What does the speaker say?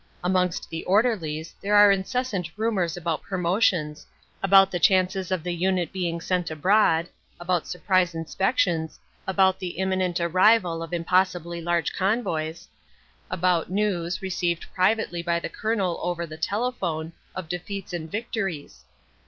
Amongst the orderlies there are incessant rumours about promotions, about the chances of the unit being sent abroad, about surprise inspections, about the imminent arrival of impossibly large convoys, about news received privately by the Colonel over the telephone of defeats or victories.